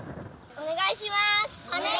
お願いします！